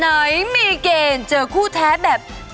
แอร์โหลดแล้วคุณล่ะโหลดแล้ว